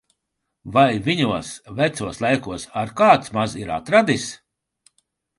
Vai viņos vecos laikos ar kāds maz ir atradis!